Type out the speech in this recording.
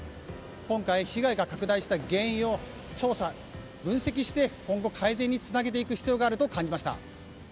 今回、被害が拡大した原因を調査・分析して今後、改善につなげていく必要があると感じました。